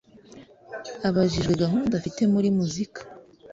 Abajijwe gahunda afite muri muzika